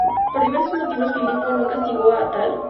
Por diversos motivos, Filipo no castigó a Atalo.